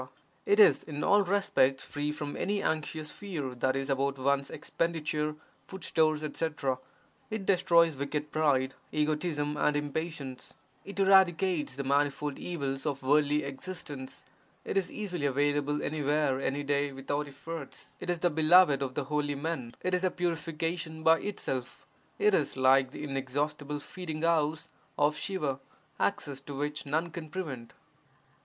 it is in all respects free from any anxious fear (i.e., about one's expenditure, foodstores, etc.); it destroys wicked pride, egotism and impatience; it eradicates the manifold evils of worldly existence; it is easily available anywhere any day without efforts; it is the beloved of the holy men; it is 24 VAIRAGYA SATAKAM a purification by itself; it is like the inexhaustible feeding house of Siva, access to which none can prevent.